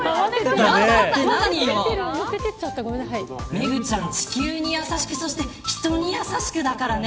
メグちゃん、地球に優しく人に優しくだからね。